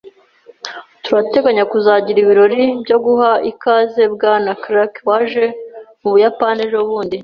Turateganya kuzagira ibirori byo guha ikaze Bwana Clark waje mu Buyapani ejobundi.